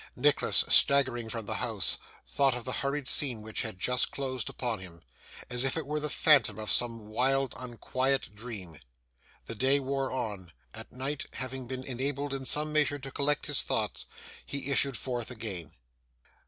Nicholas, staggering from the house, thought of the hurried scene which had just closed upon him, as if it were the phantom of some wild, unquiet dream. The day wore on; at night, having been enabled in some measure to collect his thoughts, he issued forth again.